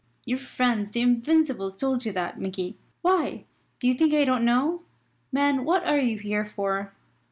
"Your friends the Invincibles told you that, Mickey. Why, do you think I don't know, man, what are you here for?